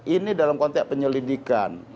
ini dalam konteks penyelidikan